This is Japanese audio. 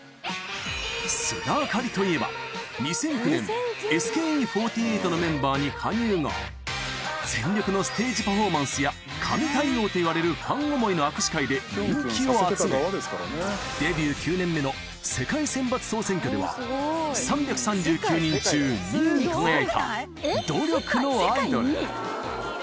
須田亜香里といえば、２００９年、ＳＫＥ４８のメンバーに加入後、全力のステージパフォーマンスや、神対応といわれるファン思いの握手会で人気を集め、デビュー９年目の世界選抜総選挙では、３３９人中、２位に輝いた、努力のアイドル。